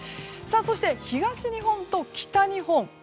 そして東日本と北日本